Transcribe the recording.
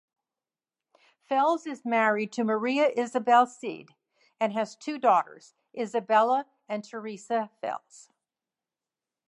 Fels is married to Maria-Isabel Cid, and has two daughters, Isabella and Teresa Fels.